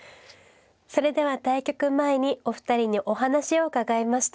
それでは対局前にお二人にお話を伺いました。